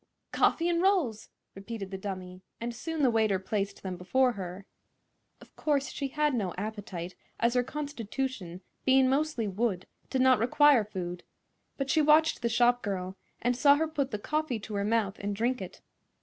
"Coffee 'n' rolls!" repeated the dummy, and soon the waiter placed them before her. Of course she had no appetite, as her constitution, being mostly wood, did not require food; but she watched the shop girl, and saw her put the coffee to her mouth and drink it.